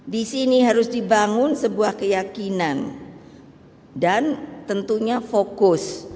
di sini harus dibangun sebuah keyakinan dan tentunya fokus